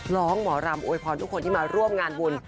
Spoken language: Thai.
ร้องหมอรำโวยพรทุกคนที่มาร่วมงานบุญ